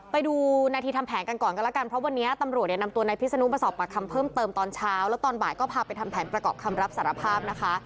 ไปดูนาทีทำแผนกันก่อนกันแล้วกันเพราะวันนี้ตำรวจเนี่ยนำตัวนายพิศนุมาสอบปากคำเพิ่มเติมตอนเช้าแล้วตอนบ่ายก็พาไปทำแผนประกอบคำรับสารภาพนะคะ